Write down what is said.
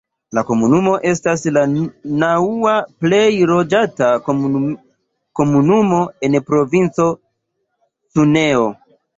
La komunumo estas la naŭa plej loĝata komunumo en provinco Cuneo.